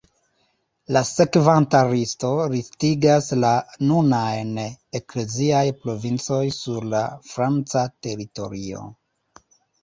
La sekvanta listo listigas la nunajn ekleziaj provincoj sur la franca teritorio.